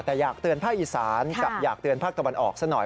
แต่อยากเตือนภาคอีสานกับอยากเตือนภาคตะวันออกซะหน่อย